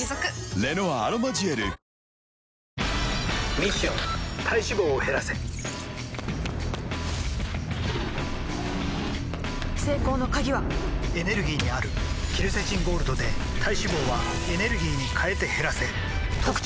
ミッション体脂肪を減らせ成功の鍵はエネルギーにあるケルセチンゴールドで体脂肪はエネルギーに変えて減らせ「特茶」